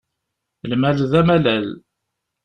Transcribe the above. Lmal d amalal.